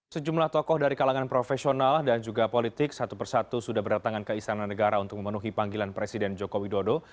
sejumlah tokoh dari kalangan profesional dan juga politik satu persatu sudah berdatangan ke istana negara untuk memenuhi panggilan presiden joko widodo